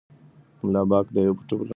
ملا بانګ د یوې پټې وړانګې د نیولو هڅه وکړه.